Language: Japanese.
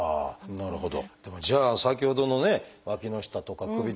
なるほど。